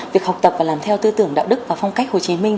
việc học tập và làm theo tư tưởng đạo đức và phong cách hồ chí minh